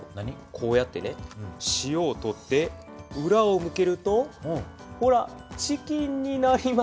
こうやってしおを取ってうらを向けるとほらチキンになります。